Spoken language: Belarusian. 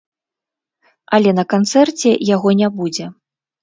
Але на канцэрце яго не будзе.